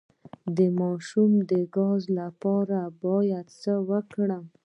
د ماشوم د ګاز لپاره باید څه وکړم؟